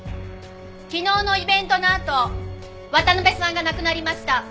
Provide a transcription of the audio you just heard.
昨日のイベントのあと渡辺さんが亡くなりました。